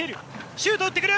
シュートを打ってくる。